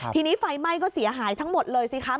ทีนี้ไฟไหม้ก็เสียหายทั้งหมดเลยสิคะ